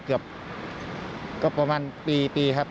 เกือบประมาณปีครับ